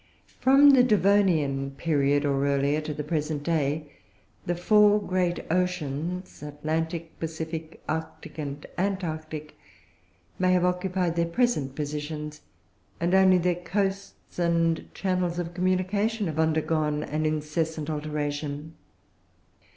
From the Devonian period, or earlier, to the present day, the four great oceans, Atlantic, Pacific, Arctic, and Antarctic, may have occupied their present positions, and only their coasts and channels of communication have undergone an incessant alteration.